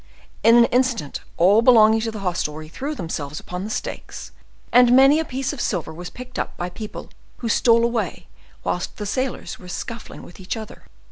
In an instant all belonging to the hostelry threw themselves upon the stakes, and many a piece of silver was picked up by people who stole away whilst the sailors were scuffling with each other.